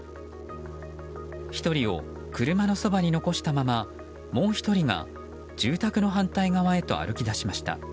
１人を車のそばに残したままもう１人が住宅の反対側へと歩き出しました。